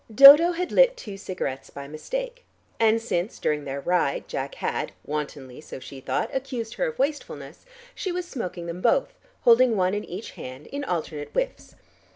Dodo had lit two cigarettes by mistake, and since, during their ride Jack had (wantonly, so she thought) accused her of wastefulness, she was smoking them both, holding one in each hand, in alternate whiffs.